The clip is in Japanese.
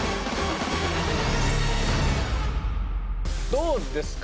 どうですか？